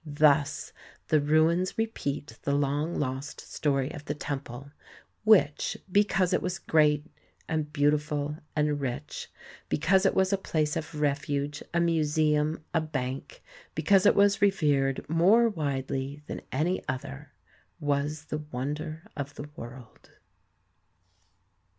Thus the ruins repeat the long lost story of the temple, which, because it was great and beautiful and rich ; because it was a place of refuge, a museum, a bank; because it was revered more widely than any other, was the wonder of the world.